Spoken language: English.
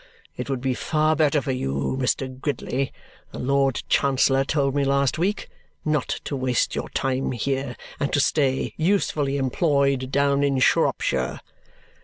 It would be far better for you, Mr. Gridley,' the Lord Chancellor told me last week, 'not to waste your time here, and to stay, usefully employed, down in Shropshire.'